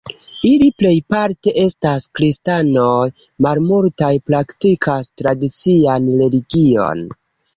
Ili plejparte estas kristanoj, malmultaj praktikas tradician religion.